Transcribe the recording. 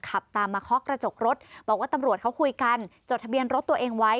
ขับตามมาเคาะกระจกรถบอกว่าตำรวจเขาคุยกันจดทะเบียนรถตัวเองไว้